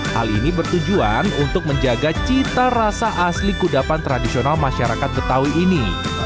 hal ini bertujuan untuk menjaga cita rasa asli kudapan tradisional masyarakat betawi ini